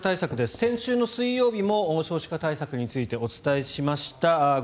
先週の水曜日も少子化対策についてお伝えしました。